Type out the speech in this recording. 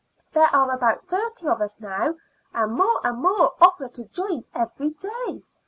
There are about thirty of us now, and more and more offer to join every day.